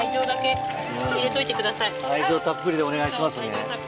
愛情たっぷりでお願いしますね。